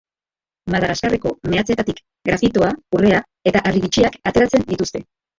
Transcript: Madagaskarreko meatzeetatik grafitoa, urrea eta harribitxiak ateratzen dituzte.